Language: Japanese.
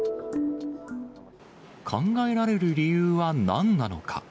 考えられる理由は何なのか。